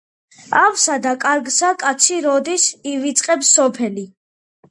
ავსა და კარგსა კაცი როდის ივიწყებს სოფელი